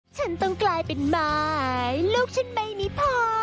ฉันต้องกลายเป็นหมายลูกฉันไม่มีพอ